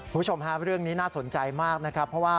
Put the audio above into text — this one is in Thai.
เพื่อชมฮาเรื่องนี้น่าสนใจมากเพราะว่า